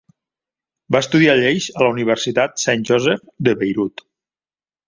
Va estudiar lleis a la universitat Saint Joseph de Beirut.